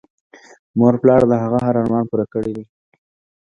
مور پلار د هغه هر ارمان پوره کړی دی